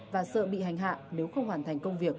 và sợ bị hành hạ nếu không hoàn thành công việc